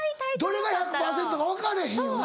どれが１００％か分かれへんよな。